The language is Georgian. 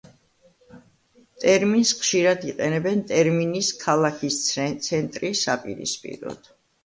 ტერმინს ხშირად იყენებენ ტერმინის „ქალაქის ცენტრი“ საპირისპიროდ.